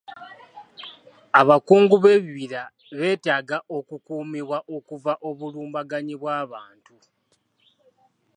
Abakungu b'ebibira betaaga okukuumibwa okuva obulumbaganyi bw'abantu.